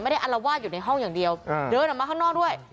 อัลวาดอยู่ในห้องอย่างเดียวเดินออกมาข้างนอกด้วย